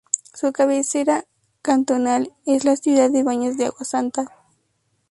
Su cabecera cantonal es la ciudad de Baños de Agua Santa.